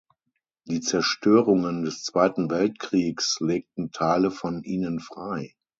Die Zerstörungen des Zweiten Weltkriegs legten Teile von ihnen frei.